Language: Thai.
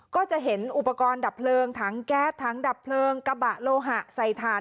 ก็จะเห็นอุปกรณ์ดับเพลิงถังแก๊สถังดับเพลิงกระบะโลหะใส่ถ่าน